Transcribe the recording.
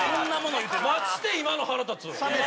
マジで今の腹立つ。